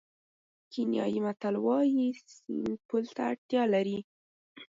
کینیايي متل وایي سیند پل ته اړتیا لري.